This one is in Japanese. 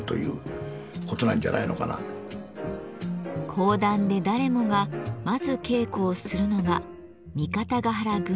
講談で誰もがまず稽古をするのが「三方ヶ原軍記」。